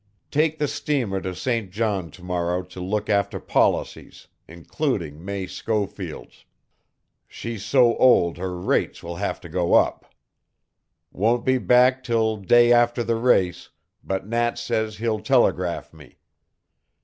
Take the stmr. to St. John to morrow to look after policies, including May Schofield's. She's so old her rates will have to go up. Won't be back till day after the race, but Nat says he'll telegraph me.